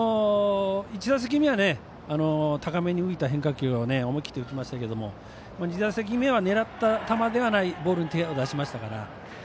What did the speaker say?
１打席目は高めに浮いた変化球を思い切って打ちましたけど２打席目は狙った球ではないボールに手を出したので。